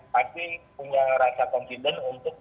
pasti punya rasa confident untuk